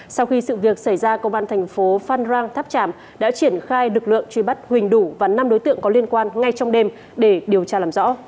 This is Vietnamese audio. sau khi sự việc xảy ra công an thành phố phan rang tháp tràm đã triển khai lực lượng truy bắt huỳnh đủ và năm đối tượng có liên quan ngay trong đêm để điều tra làm rõ